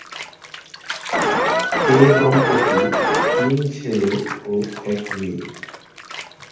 এ দম্পতির তিন ছেলে ও এক মেয়ে।